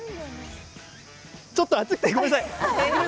ちょっと熱くてごめんなさい。